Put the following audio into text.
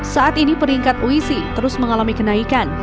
saat ini peringkat uisi terus mengalami kenaikan